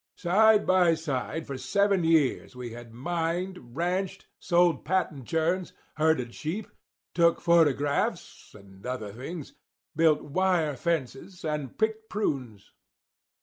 Side by side for seven years we had mined, ranched, sold patent churns, herded sheep, took photographs and other things, built wire fences, and picked prunes.